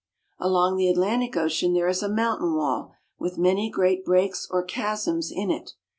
Along the Atlantic Ocean there is a mountain wall, with many great breaks or chasms in it.